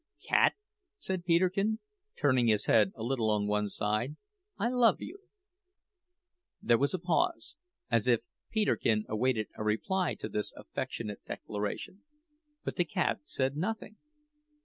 "Cat," said Peterkin, turning his head a little on one side, "I love you!" There was a pause, as if Peterkin awaited a reply to this affectionate declaration. But the cat said nothing.